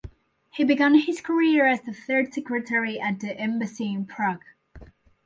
He began his career as the Third Secretary at the embassy in Prague.